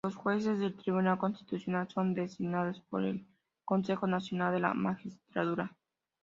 Los Jueces del Tribunal Constitucional son designados por el Consejo Nacional de la Magistratura.